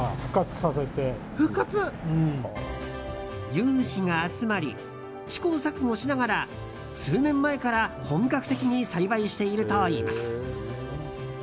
有志が集まり試行錯誤しながら数年前から本格的に栽培しているといいます。